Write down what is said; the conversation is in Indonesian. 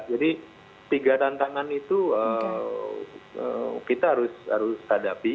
jadi tiga tantangan itu kita harus hadapi